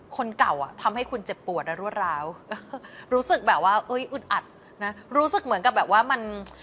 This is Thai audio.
คนเก่าน่ะทำให้คุณเจ็บปวดสระ